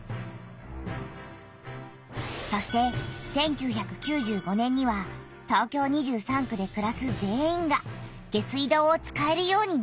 そして１９９５年には東京２３区でくらす全員が下水道を使えるようになった。